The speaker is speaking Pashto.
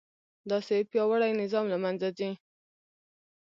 داسې پیاوړی نظام له منځه ځي.